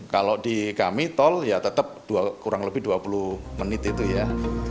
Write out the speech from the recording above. kalau di kami tol ya tetap kurang lebih dua puluh menit itu ya